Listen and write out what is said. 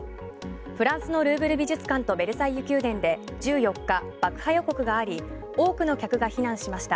フランスのルーブル美術館とベルサイユ宮殿で１４日、爆破予告があり多くの客が避難しました。